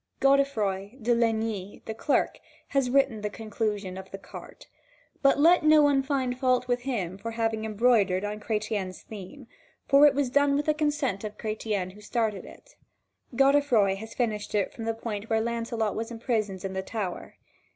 Godefroi de Leigni, the clerk, has written the conclusion of "the Cart"; but let no one find fault with him for having embroidered on Chretien's theme, for it was done with the consent of Chretien who started it. Godefroi has finished it from the point where Lancelot was imprisoned in the tower.